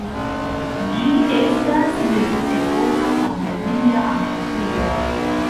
Ĝi estas mezepoka fantazia aventuro.